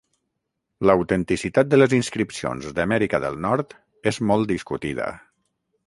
L'autenticitat de les inscripcions d'Amèrica del Nord és molt discutida.